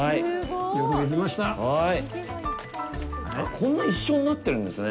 こんな一緒になってるんですね。